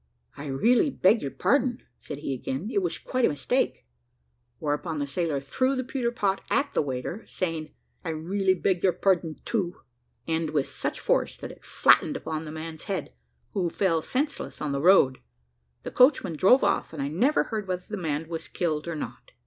"I really beg your pardon," said he again, "it was quite a mistake:" whereupon the sailor threw the pewter pot at the waiter, saying "I really beg your pardon too," and with such force, that it flattened upon the man's head, who fell senseless on the road. The coachman drove off, and I never heard whether the man was killed or not.